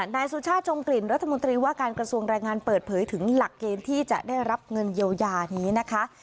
นายสุชาติจมกลิ่นรัฐมนตรีว่าการกระทรวงแรงงานเปิดเผยถึงหลักเกณฑ์ที่จะได้รับเงินเยียวยานี้นะคะ